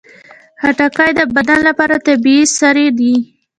خټکی د بدن لپاره طبیعي سري دي.